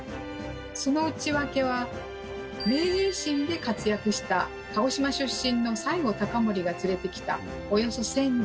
その内訳は明治維新で活躍した鹿児島出身の西郷隆盛が連れてきたおよそ１，０００人。